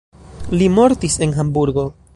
Li mortis en Hamburgo.